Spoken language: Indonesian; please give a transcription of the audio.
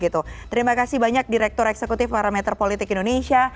terima kasih banyak direktur eksekutif parameter politik indonesia